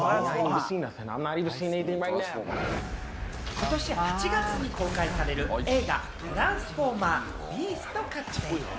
今年８月に公開される映画『トランスフォーマー／ビースト覚醒』。